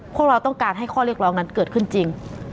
พวกเราต้องการให้ข้อเรียกร้องนั้นเกิดขึ้นจริง